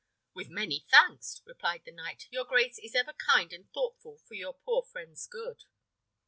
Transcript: "With many thanks!" replied the knight. "Your grace is ever kind and thoughtful for your poor friend's good."